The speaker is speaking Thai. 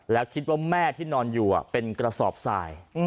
แล้วคิดว่าแม่ที่นอนอยู่เป็นกระสอบสาย